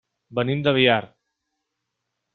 Venim de Biar.